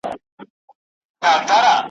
خوب لیدلئ مي بیګا دئ، ګل نګاره ګوندي را سې